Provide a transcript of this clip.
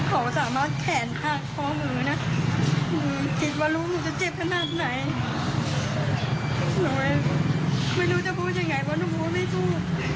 หนูไม่รู้จะพูดยังไงเพราะว่าหนูรู้ไม่สู้